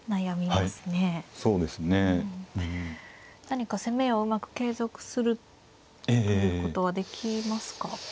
何か攻めをうまく継続するということはできますか。